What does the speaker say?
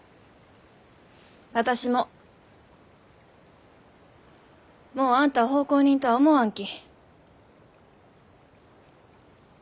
私ももうあんたを奉公人とは思わんき。